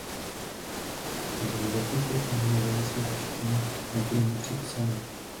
Dílo zachycuje Pannu Marii s Ježíškem na klíně při psaní.